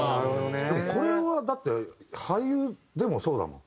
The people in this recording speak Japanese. でもこれはだって俳優でもそうだもん。